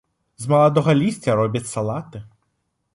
З маладога лісця робяць салаты.